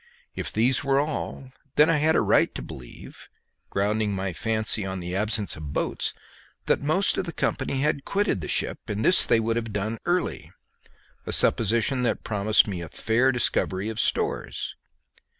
If these were all, then I had a right to believe, grounding my fancy on the absence of boats, that most of the company had quitted the ship, and this they would have done early a supposition that promised me a fair discovery of stores.